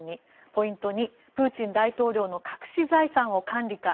ポイント２、プーチン大統領の隠し財産を管理か。